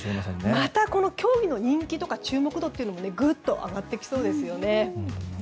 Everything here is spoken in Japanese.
また競技の人気とか注目度もぐっと上がってきそうですね。